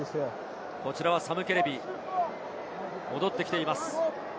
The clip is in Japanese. こちらはサム・ケレビ、戻ってきています。